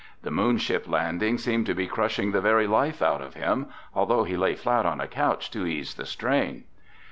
The Moonship landing seemed to be crushing the very life out of him, although he lay flat on a couch to ease the strain.